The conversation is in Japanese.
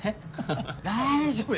大丈夫よ。